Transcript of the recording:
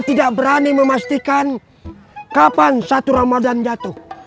tidak berani memastikan kapan satu ramadan jatuh